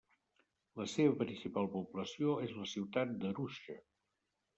La seva principal població és la ciutat d'Arusha.